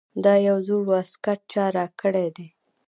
دا یو زوړ واسکټ چا راکړے دے ـ